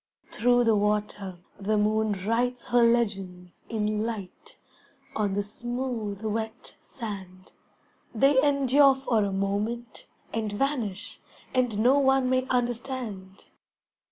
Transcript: Through the water the moon writes her legends In light, on the smooth, wet sand; They endure for a moment, and vanish, And no one may understand.